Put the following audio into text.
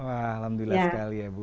alhamdulillah sekali ya bu